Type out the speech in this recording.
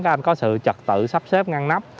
các anh có sự trật tự sắp xếp ngăn nắp